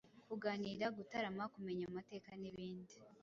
kuganira, gutarama, kumenya amateka, n'ibindi,